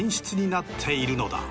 なっているのだ。